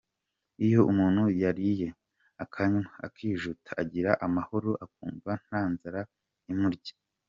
Iyo umuntu yariye, akanywa akijuta ‘agira amahoro’ akumva nta nzara imurya.